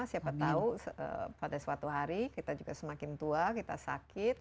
siapa tahu pada suatu hari kita juga semakin tua kita sakit